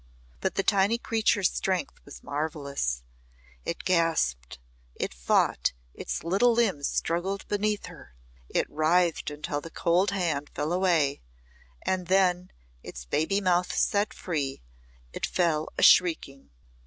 But the tiny creature's strength was marvellous. It gasped, it fought, its little limbs struggled beneath her, it writhed until the cold hand fell away, and then, its baby mouth set free, it fell a shrieking.